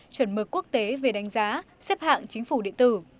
chuẩn mực quốc tế về đánh giá xếp hạng chính phủ điện tử